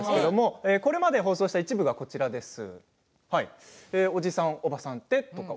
これまで放送した一部がこちらです。